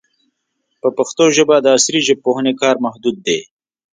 په پښتو ژبه د عصري ژبپوهنې کار محدود دی.